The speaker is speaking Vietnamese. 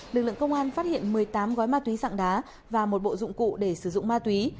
lực lượng công an phát hiện một mươi tám gói ma túy dạng đá và một bộ dụng cụ để sử dụng ma túy